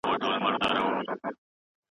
الله پاک زموږ څخه یوازې اخلاص غواړي.